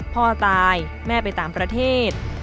พ่อตายแม่ไปต่างประเทศ